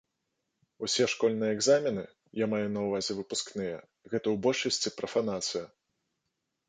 Усе школьныя экзамены, я маю на ўвазе выпускныя, гэта ў большасці прафанацыя.